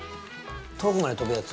遠くまで飛ぶやつ？